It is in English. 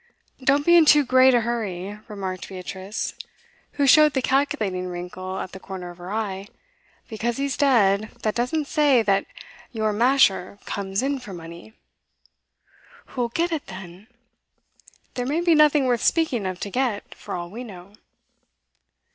'Don't be in too great a hurry,' remarked Beatrice, who showed the calculating wrinkle at the corner of her eye. 'Because he's dead, that doesn't say that your masher comes in for money.' 'Who'll get it, then?' 'There may be nothing worth speaking of to get, for all we know.